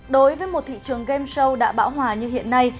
đối với một thị trường game show đã bão hòa như hiện nay